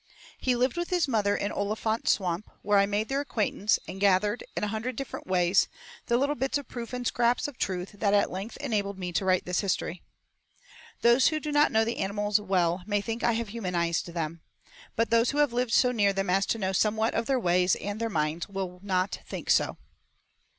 He lived with his mother in Olifant's Swamp, where I made their acquaintance and gathered, in a hundred different ways, the little bits of proof and scraps of truth that at length enabled me to write this history. Those who do not know the animals well may think I have humanized them, but those who have lived so near them as to know somewhat of their ways and their minds will not think so.